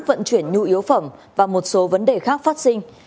vận chuyển nhu yếu phẩm và một số vấn đề khác phát sinh